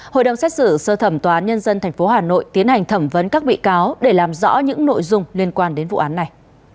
hội đồng xét xử sơ thẩm tòa án nhân dân tp hà nội tiến hành thẩm vấn các bị cáo để làm rõ những nội dung liên quan đến vụ án này